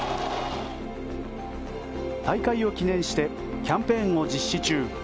大会を記念してキャンペーンを実施中！